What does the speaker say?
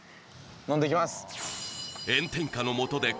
飲んでいきます